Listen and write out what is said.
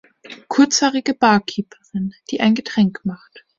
Kurzhaarige Barkeeperin, die ein Getränk macht.